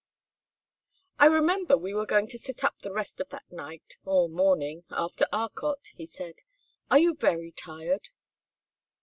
"I remember we were going to sit up the rest of that night or morning after Arcot," he said. "Are you very tired?"